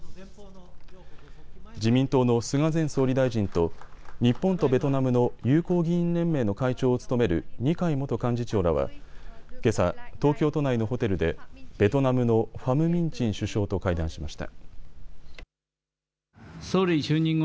自民党の菅前総理大臣と日本とベトナムの友好議員連盟の会長を務める二階元幹事長らはけさ東京都内のホテルでベトナムのファム・ミン・チン首相と会談しました。